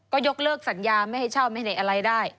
ก็ยกเลิกสัญญาไม่ให้เช่าไม่ให้อะไรได้